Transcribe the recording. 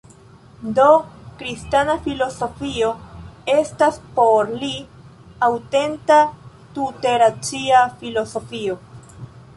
Do kristana filozofio estas, por li, aŭtenta tute racia filozofio.